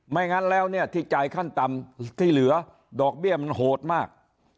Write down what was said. งั้นแล้วเนี่ยที่จ่ายขั้นต่ำที่เหลือดอกเบี้ยมันโหดมาก